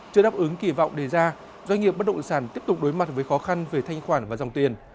chưa đáp ứng kỳ vọng đề ra doanh nghiệp bất động sản tiếp tục đối mặt với khó khăn về thanh khoản và dòng tiền